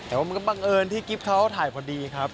แต่ว่ามันก็บังเอิญที่กิ๊บเขาถ่ายพอดีครับ